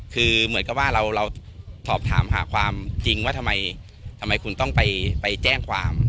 คือเหมือนกับว่าเราสอบถามหาความจริงว่าทำไมคุณต้องไปแจ้งความ